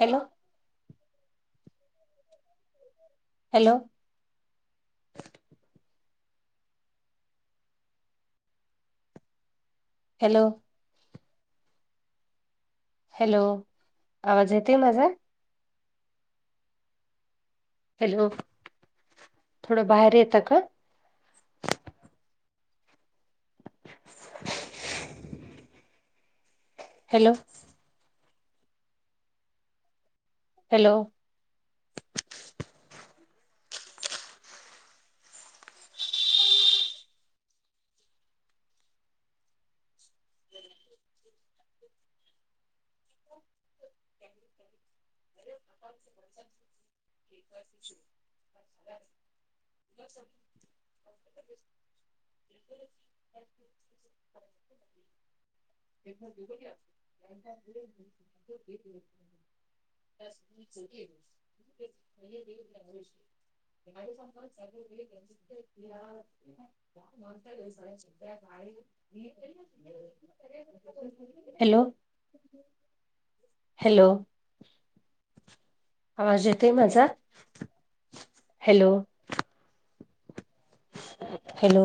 Hello hello hello hello आवाज येतय माझा हॅलो थोडं बाहेर येतं का [inaudible] हॅलो हॅलो झा [inaudible] [inaudible] [inaudible] [inaudible] [inaudible] ता का हॅलो हॅलो आवाज येतोय माझा हॅलो हॅलो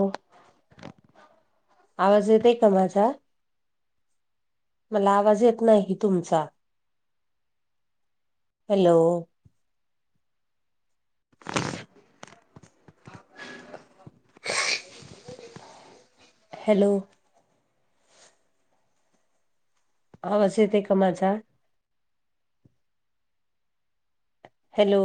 आवाज येतय का माझा मला आवाज येत नाही तुमचा हॅलो [inaudible] हॅलो आवाज येतोय का माझा? हॅलो.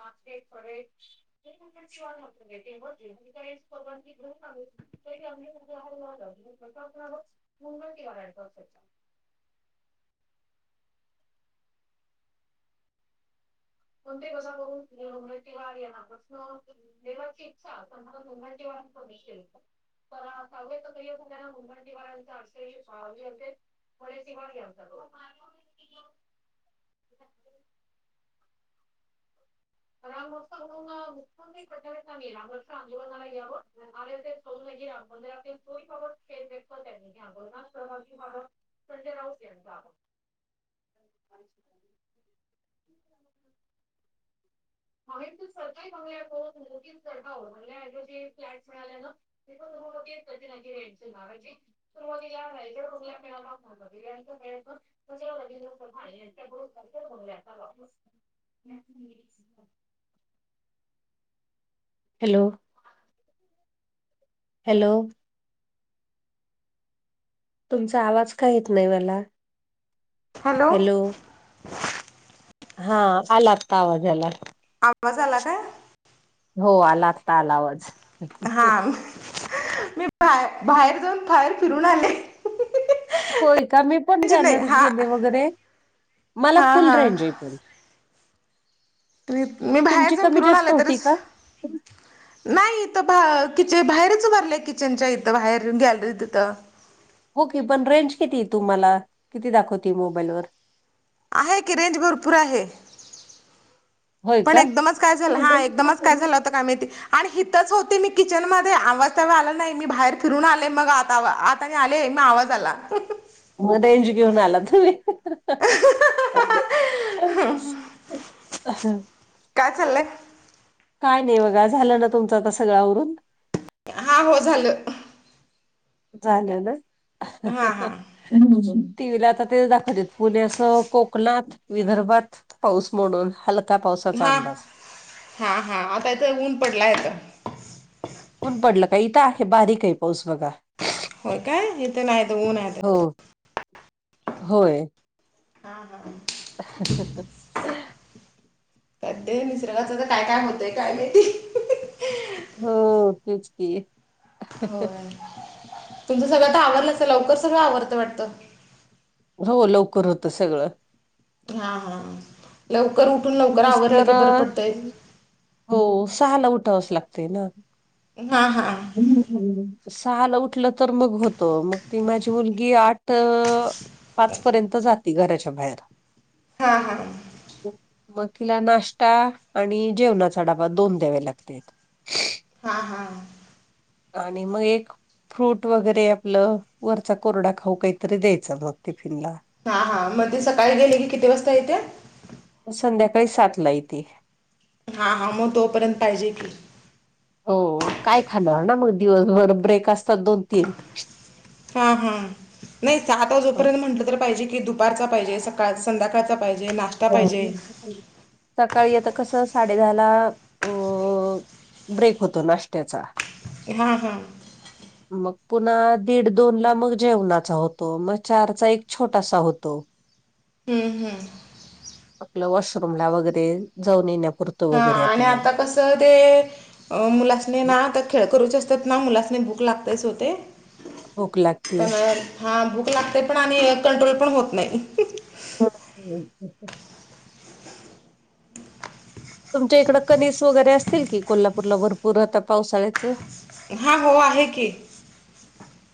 करडेच. ते पण तुमची वाट बघतात. [inaudible] मगो आपलागच मुंगल किंवाड असाय कोणते कसा करून ते ये ना प्रन देवा ची इच्छा मला दोन जेव्हा सश तर काही असल्या मुंबंटीव्यांच असे ते म स कोण घऊतल [inaudible] मुख्यम प राम आंदोलनाला घ सौ राम मंद तो [unintelligible] त्यांनी घागीत संजय राऊत यांचाज ह. मा त सरकारी बंगल्या बंगल्या जे फ्लॅट मिळाल्या ना. तक कर ना माजी ला इकडेुला मिळाळ वी. हॅलो. हॅलो. तुमचा आवाज काय येत नाही मला? हॅलो. हा आला आता आवाजाला. आवाज आला का? हो आलागता आला आवाज. हा मी बा बाहेर जाऊन बाहेर फिरून आले. म्हणजे होय का मी पण नाही गॅलरीत हा गेले वगैरे. मला हा फुल हा रेंज आहे इथे. तरी मी बाहेर तुमची जाऊन कमी फिरून जास्त आल होती तरीच का? नाही इथं बा किचे बाहेरच भरलेय किचनच्या इथं बाहेर गॅलरीत तिथं. होओके पण रेंज किती तुम्हाला किती दाखवते मोबाईलवर? आहे की रेंज भरपूर आहे. होय पण का? एकदमच काय झालं हा एकदमच काय झालं होता काय माहिती? आणि हथच होते मी किचन मध्ये आवाजवे आला नाही मी बाहेर फिरून आले मग आता. आले मग आवाज आला. मग रेंज घेऊन आला तुम्ही. ह. काय चाललंय? काय नाही बघा झालं ना तुमचं आता सगळं आवरून? हा हो झालं. झालं ना? हा हा टीव्हीला आता ते दाखवतेत उद्या असं कोकणात विदर्भात पाऊस मोडून हलका पावसाचा हा अंदाज हा हा आता इथं ऊन पडला आहेेत. कोन पडलं का? इथं आहे बारीक आहे पाऊस बघा. होय काय इथ नायत ऊन आहे. हो होय. हा हा. हो कध निसर्गाचं तर काय काय होतंय काय माहिती? हो तेच की. हो तुमचं सगळं तर आवरल लवकर सगळ आवरत वाटतं. हो लवकर होत सगळं. हा हा लवकर उठून लवकर आवरलं मिस्टर की बरं अ, पडतंय हो सहाला उठावचं लागते ना हा हा सल उठलं तर मग होतं मग ती माझी मुलगी आठ पाचपर्यंत जाते घराच्या बाहेर हा हा मग तिला नाश्ता आणि जेवणाचा डाबा दोन द्यावे लागते हा हा आणि मग एक फ्रूट वगैरे आपलं वरचा कोरडा खाऊ काहीतरी द्यायचा रोज टिफिनला हा हा मध्ये सकाळी गेले की किती वाजता येते म संध्याकाळी सात ला येते हा हा मग तोपर्यंत पाहिजे की हो काय खाल ना मग दिवसभर ब्रेक असतात दोन तीन हा हा नाही सात वाजेपर्यंत म्हंटलं तर पाहिजे की दु उारचा पाहिजे सकाळ संध्याकाळचा पाहिजे ना हो सकाळी आता कस साडे दहा ला अ ब्रेक होतो नाशत्याचा हा हां मग पुन्हा दीड दोन ला मग जेवणाचा होतो मग चारचा एक छोटासा होतो हम्म हम्म आपलं वॉशरूम ला वगैरे जाऊन येण्यापुरत हा आणि आता कस ते मुलासने ना तर खेळ करूचे असतात ना मुलासने भूक लागतेच होते भूक लागते पण हा भूक लागते पण आणि कंट्रोल पण होत नाही हा तुमच्या इकडं कनिस वगैरे असतील की कोल्हापूरला भरपूर आता पावसाळ्याचं हा हो आहे की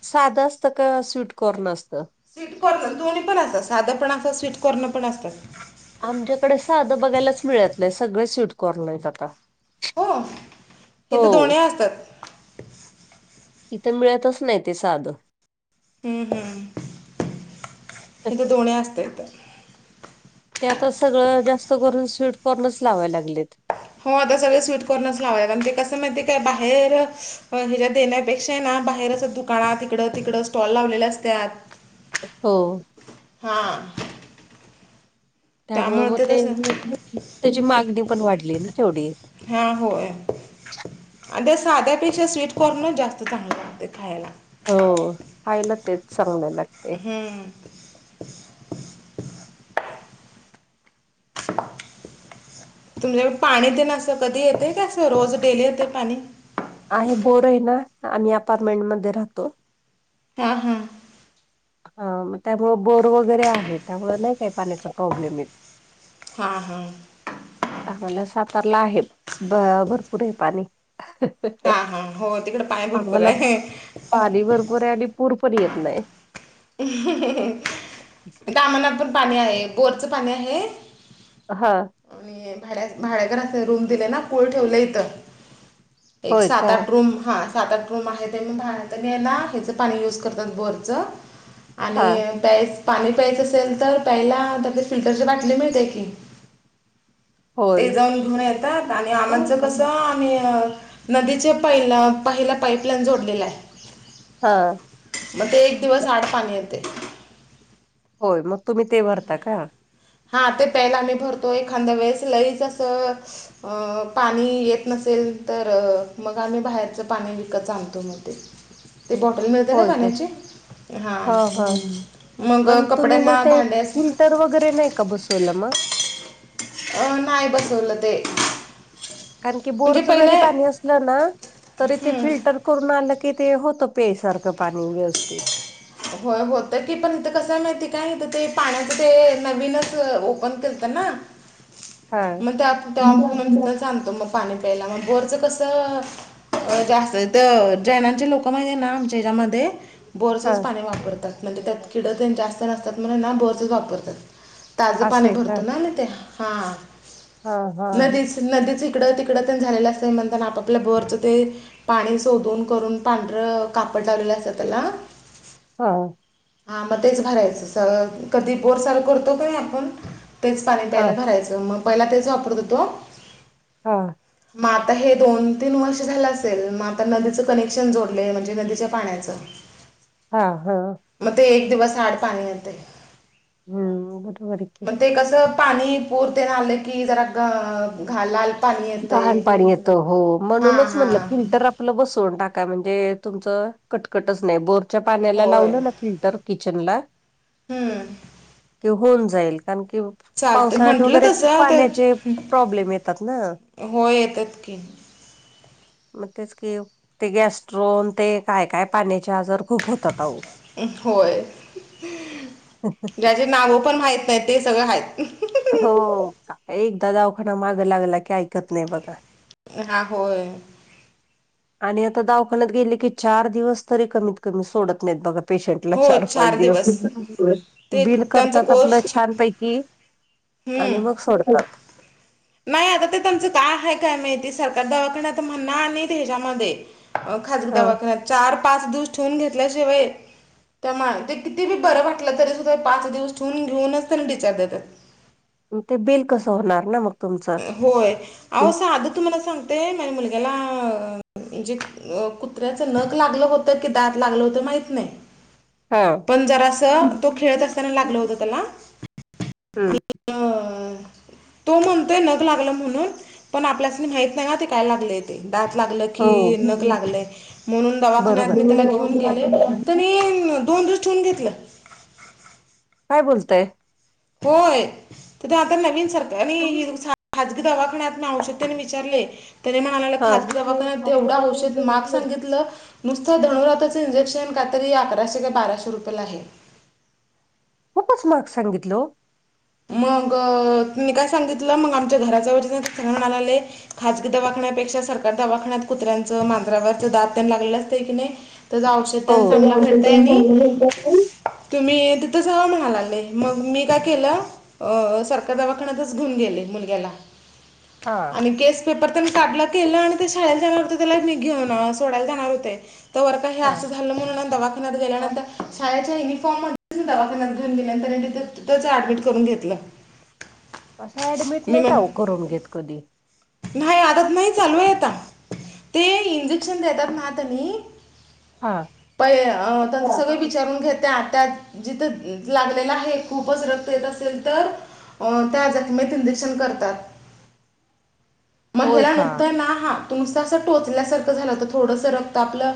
साधं असतं का स्वीटकॉर्न असतं स्वीट कॉर्नर दोन्हीणतात साधं पण असतात स्वीट कॉर्नर पण असतात आमच्याकडे साधं बघायलाच मिळतलंय सगळे स्वीटकॉर्नर आहेत आता हो हे हो तर दोन असतात इथं मिळतच नाही ते साधं हम्म हम्म इथे दोन्ही असतात तर ते आता सगळं जास्त करून स्वीटकॉर्नच लावाय लागलेत हो आता सगळे स्वीट कॉर्नर्स लावायात म्हणजे कसं माहितीे काय बाहेर ह्याच्या देण्यापेक्षा ना बाहेरच दुकाना तिकडं तिकडं स्टॉल लावलेले असतात हो हा त्यामुळ मग ते त्याची मागणी पण वाढली ना तेवढी हा होतें आ साध्यापेक्षा स्वीट कॉर्न जास्त चांगलाते खायला हो खयला तेच चांगलंयलाग हम्म तुमच्याकडे पाणी दे नस कधी येते का अस रोज डेली येते पाणी आहे बोर आहे ना आम्ही अपार्टमेंट मध्ये राहतो हा हा हग त्यामु बोर वगैरे आहे त्यामुळें नाही काय पाण्याचा प्रॉब्लेम येत हां हां आपला सातारला आहे ब भरपूर आहे पाणी हा हा हो तिकडे पाणी भरपूर आम्हाला आहे पाणी भरपूर आहे आणि पूर पण येत नाही कामना पण पाणी आहे बोरचं पाणी आहे हा आणि भाड्याभाड्याकराना अस रूम दिले ना पळ ठेवलं इथं एक होय सात का आठ रूम हा सात आठ रूम आहेत ते मग भाडात न आहे ना ह्याचं पाणी यूज करतात बोरचं हा आणि प्यायच पाणी प्यायचं असेल तर प्यायला त्याले फिल्टरच्या बाटली मिळते की ते होय. जाऊन घेऊन येतात आणि आमचं हा कसं नदीच्या पा पाहिला पाईपलाईन जोडलेला आहे हा मग ते एक दिवस आड पाणी येते होय मग तुम्ही ते भरता का हा ते प्यायला आम्ही भरतोय एखाांदा वेळेस लईच असं अ पाणी येत नसेल तर मग आम्ही बाहेरच पाणी विकत आणतो मध्ये ते बॉटल मिळते ना पाण्याची ह हां हा मग तुम्ही मग कपड्यांना ते भांड्यास टर वगैरे नाही का बसवलं मग अं नाही बसवलं ते कारण की म्हणजे बोरच पहिले जरी पाणी असलं ना तरी ते हम्म, फिल्टर करून आलं की ते होत पेयासारखं पाणी व्यवस्थित हो होतं की पण ईथ कस माहिती काय नाही तर ते पाण्याच ते नवीनच ओपन केलत ना हा मग त्या मग तिथनच आणतो मग पाणी प्यायला मग बोरचं कसं अ जास्त जैनांचे लोक माहिती आहे ना आमच्या हच्यामध्ये हा बोर्सच पाणी वापरतात म्हणजे त्यात किडं त्यांत जास्त नसतात म्हणून ना बोर्सच वापरतात ताजं असं पाणी आहे का भरतो ना आम्ह ते हा हा हा नदीच नदीच हिकडं तिकडं झालेलं असतं म्हणताना आपापल्या बोअरचं ते पाणी शोधून करून पांढरं कापड लावलेलं असतय त्याला हा हा मग तेच भरायचं स कधी बोर चालू करतो का नाही आपण तेच पाणी हा प्यायला भरायचं मग पहिला तेच वापरत हो तो हां मग आता हे दोन तीन वर्ष झालं असेल मग आता नदीचं कनेक्शन जोडलेय म्हणजे नदीच्या पाण्याचं हा हा मग ते एक दिवस आड पाणी येते हम्म बरोबर आहे की मग ते कसं पाणी पुर तेन आले की जरा घालाल घान पाणी येतं हो हां म्हणूनच म्हणलं हां फिल्टर आप आपलं बसवून टाका म्हणजे तुमचं कटकटच नाही बोरच्या पाण्याला होय लावलं ना फिल्टर किचन ला हम कि होऊन जाईल कारण की पावसाळ्यात म्हंटलं वगैरे खूप तसं पाण्याचे प्रॉब्लेम येतात ना हो येतात की मग तेच कि ते गॅस्ट्रोन ते काय काय पाण्याचे आजार खूप होतात त्याचे नाव पण माहित नाही ते सगळं आहेत हो एकदा दवाखाना मागं लागला की ऐकत नाही बघा आ होय आणि आता दवाखान्यात गेले की चार दिवस तरी कमीत कमी सोडत नाहीत बघा पेशंटला चार पाच दिवस ते बिल त्यांचा करतात कोर्स आपलं छानपैकी हम्म आणि मग सोडतात नाही आता ते त्यांनचं काय आहे काय माहिती सरकार दवाखाना आता म्हणणार आणि हेज्यामध्ये खाजगी हा दवाखान्यात चार पाच दिवस ठेवून घेतल्या शिवाय त्या मा ते किती बी बरं वाटलं तरी सुद्धा पाच दिवस ठेवून घेऊनच त्यांना डिस्चार्ज चारज देतात ते बिल कसं होणार ना मग तुमचं होय अ असं आध तुम्हाला सांगतेय माझ्या मुलग्याला म्हणजे अ कुत्र्याच नख लागलं होतं की दात लागलं होतं माहित नाही हा पण जरा अस तो खेळत असताना लागल होत त्याला हम्म अ, तो म्हणतोय नख लागलं म्हणून पण आपल्यास माहत नाही ना ते काय लागलेत दात ला की नक हो. लागलय म्हणून बरोबर दवाखान्यात त्याला घेऊन गेले ते दोन दिवस ठेऊन घेतलं काय बोलताय होय तिथं आता नवीन सरकार खाजगी दवाखान्यात ना औषध त्यांने विचारले त ला हा खजगी दवाखाण्यात जेवढं औषध महाग सांगितलं नुसतं धणुराताचं इंजेक्शन काहीतरी अकराशे काय बाराशे रुपयेला आहे खूपच महाग सांगितलं ओ मग मी काय सांगितलं मग आमच्या घराच्या जवळच चल म्हणालाले खाजगी दवाखान्यापेक्षा सरकार दवाखान्यात कुत्र्यांचं मांजरावरच दात त्यां लागलं असते की नाही त्याचं औषध ओ तेन चांगलं भेटतय आणि हो तुम्ही तिथं जावा हणालाले मग मी काय केलं सरकारी दवाखान्यातच घेऊन गेले मुलग्याला हा आणि केस पेपर तेन काढला केलं आणि ते शाळेला जाणार होत त्याला मी घेऊन सोडायला जाणार होते तर वर का हे हा असं झालं म्हणून दवाखान्यात गेल्यानंतर शाळेच्या युनिफॉर्म मध्ये दवाखान्यात घेऊन गेल्यानंतरच ऍडमिट करून घेतलं असं ऍडमिट मी नाही मग काऊ करून घेत कधी नाही आताच नाही चालू आता ते इंजेक्शन देतात ना त्यानी हा पहि अ त्यांच सगळे विचारून घेत्यात त्या जिथं लागलेला आहे खूपच रक्त येत असेल तर त्या जखमेत इंजेकशन करतात मग होय ह्याला का नुकतंय ना हा तुमस असं टोचल्यासारखं झालंत थोडंस रक्त आपलं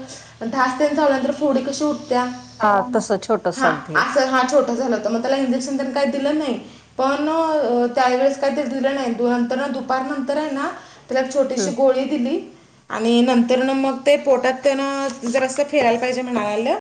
ढास तेन चावल्यानंतर फोडी कशी उठत्या हा तसं छोटस हा अगदी असं हा छोट झालं होत मग त्याला इंजेक्शन तेन काही दिलं नाही पण त्यावेेळेस काही दि दिलं नाही नंतर दुपार नंतर नंतर त्याला छोटीशी हम्म गोळी दिली आणि नंतर न मग ते पोटात त्यानं जरा अस ठेवायला पाहिजे म्हणालेलं